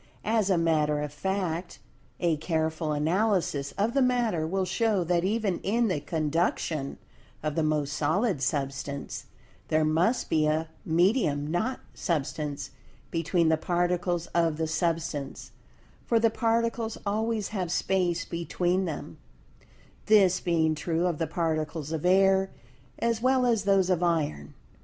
As a matter of fact, a careful analysis of the matter will show that even in the "Conduction" of the most solid Substance, there must be a "medium not Substance" between the Particles of the Substance, for the Particles always have Space between them—this being true of the Particles of Air, as well as those of Iron.